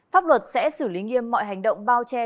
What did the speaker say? pháp luật sẽ xử lý nghiêm mọi hành động bao che